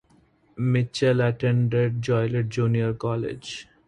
Mitchell attended Joliet Junior College.